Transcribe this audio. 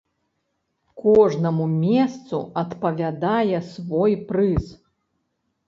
Кожнаму месцу адпавядае свой прыз.